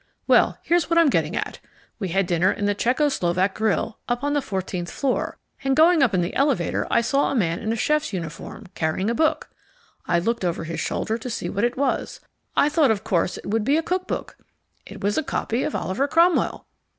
Well, here's what I'm getting at. We had dinner in the Czecho Slovak Grill, up on the fourteenth floor, and going up in the elevator I saw a man in a chef's uniform carrying a book. I looked over his shoulder to see what it was. I thought of course it would be a cook book. It was a copy of Oliver Cromwell."